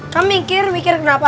kamu mikir mikir kenapa